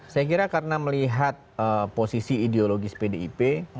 saya kira karena melihat posisi ideologis pdip